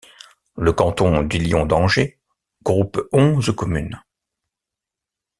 Le canton du Lion-d'Angers groupe onze communes.